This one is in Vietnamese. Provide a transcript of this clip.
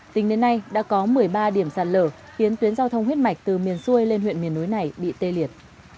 tính đến nay đã có một mươi ba điểm sạt lở khiến tuyến giao thông huyết mạch từ miền xuôi lên huyện miền núi này bị tê liệt